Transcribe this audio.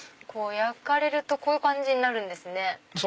焼かれるとこういう感じになるんですね。